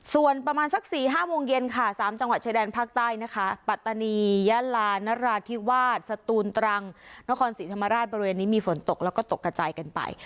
ส่วนประมาณสัก๔๕โมงเย็นค่ะ๓จังหวัดชายแดนภาคใต้นะคะปัตตานียะลานราธิวาสสตูนตรังนครศรีธรรมราชบริเวณนี้มีฝนตกแล้วก็ตกกระจายกันไป